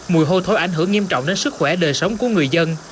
mùi hôi thối ảnh hưởng nghiêm trọng đến sức khỏe đời sống của người dân